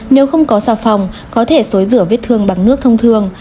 nếu không có xà phòng có thể xối rửa vết thương bằng nước thông thường